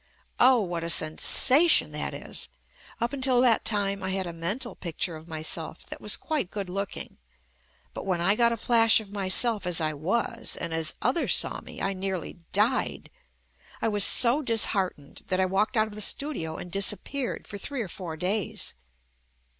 Oh, what a sensation that is ! Up until that time I had a mental picture of myself that was quite good looking, but when I got a flash of myself as I was and as others saw me, I nearly died. I was so disheartened that I walked out of the studio and disappeared for three or four days.